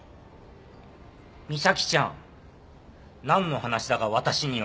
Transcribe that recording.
美咲ちゃん何の話だか私には。